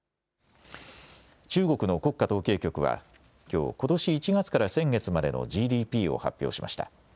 中国の国家統計局はきょう、ことし１月から先月までのＧＤＰを発表しました。